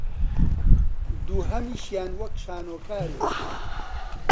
دووهەمیشیان وەک شانۆکارێک